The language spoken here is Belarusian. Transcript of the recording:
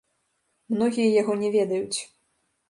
Многія яго не ведаюць.